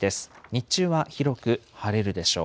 日中は広く晴れるでしょう。